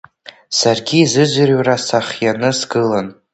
Саргьы изыӡырҩра сазхианы сгылан.